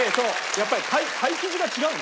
やっぱりパイ生地が違うの？